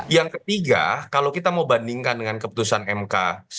yang ketiga kalau kita mau bandingkan dengan keputusan mk